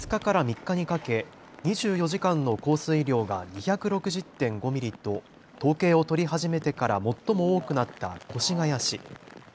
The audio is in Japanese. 先月２日から３日にかけ２４時間の降水量が２６０．５ミリと統計を取り始めてから最も多くなった越谷市。